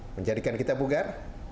menjadikan kita bugar